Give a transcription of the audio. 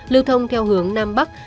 lưu thông theo hướng nam bắc